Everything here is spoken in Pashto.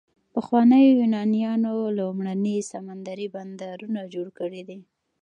پخوانیو یونانیانو لومړني سمندري بندرونه جوړ کړي دي.